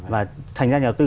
và thành ra nhà đầu tư